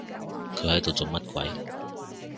佢喺度做乜鬼？